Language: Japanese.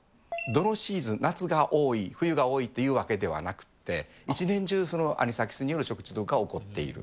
どのシーズン、夏が多い、冬が多いというわけではなくて、一年中、そのアニサキスによる食中毒は起こっている。